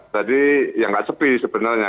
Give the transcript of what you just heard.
tadi ya nggak sepi sebenarnya